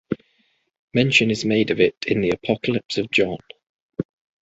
Mention is made of it in the Apocalypse of John.